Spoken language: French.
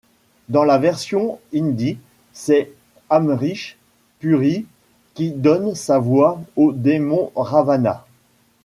Dans la version hindi, c'est Amrish Puri qui donne sa voix au démon Rāvana.